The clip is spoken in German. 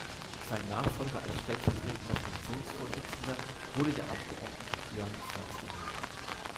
Sein Nachfolger als stellvertretender Fraktionsvorsitzender wurde der Abgeordnete Björn Försterling.